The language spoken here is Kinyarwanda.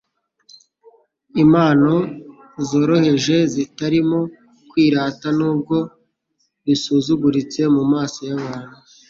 impano zoroheje zitarimo kwirata, nubwo bisuzuguritse mu maso y'abantu,